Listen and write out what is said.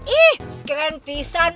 ih keren pisan